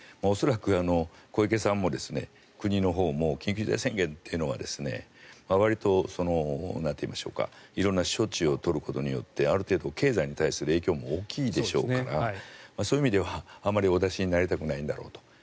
恐らく、小池さんも国のほうも緊急事態宣言というのはわりと色んな処置を取ることによってある程度、経済に対する影響も大きいでしょうからそういう意味ではあまりお出しになりたくないんだろうと。